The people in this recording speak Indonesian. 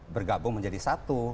bergabung menjadi satu